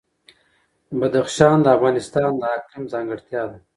بدخشان د افغانستان د اقلیم ځانګړتیا ده.